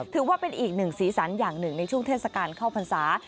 ถือว่าเป็นอีกหนึ่งสีสันอย่างหนึ่งในช่วงเทศกาลเข้าพรรษา